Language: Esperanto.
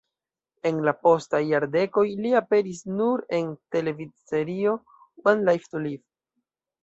En la postaj jardekoj li aperis nur en televidserio "One Life to Live".